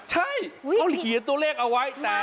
ใช่เขาเขียนตัวเลขเอาไว้